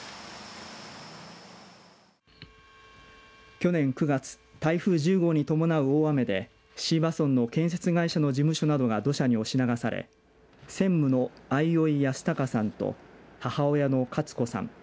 去年９月台風１０号に伴う大雨で椎葉村の建設会社の事務所などが土砂に押し流され専務の相生泰孝さんと母親の勝子さん